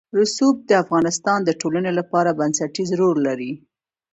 رسوب د افغانستان د ټولنې لپاره بنسټيز رول لري.